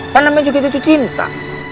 kan namanya juga itu cinta